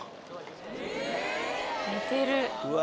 寝てる。